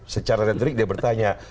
secara retrik dia bertanya